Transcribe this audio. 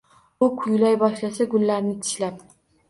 U kuylay boshlasa, gullarni tishlab